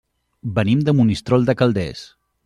Venim de Monistrol de Calders.